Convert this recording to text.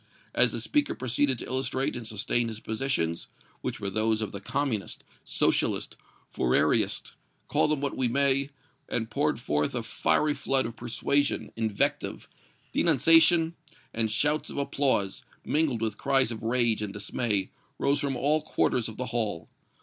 As the speaker proceeded to illustrate and sustain his positions, which were those of the Communist, Socialist, Fourierist, call them which we may, and poured forth a fiery flood of persuasion, invective, denunciation and shouts of applause, mingled with cries of rage and dismay, rose from all quarters of the hall.